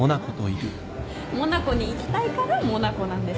モナコに行きたいからモナコなんです。